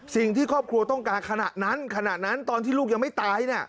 สิ่งที่ครอบครัวต้องการขณะนั้นขณะนั้นตอนที่ลูกยังไม่ตาย